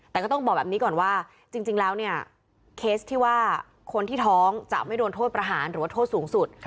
แต่ก็ต้องบอกแบบนี้ก่อนว่าจริงแล้วเนี่ยเคสที่ว่าคนที่ท้องจะไม่โดนโทษประหารหรือว่าโทษสูงสุด